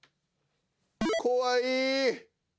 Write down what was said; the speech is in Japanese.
怖い。